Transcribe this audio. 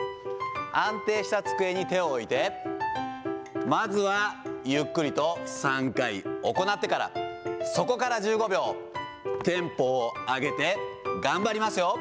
安定した机に手を置いて、まずはゆっくりと３回行ってから、そこから１５秒、テンポを上げて、頑張りますよ。